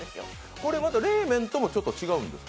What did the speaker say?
これまた冷麺とも違うんですか？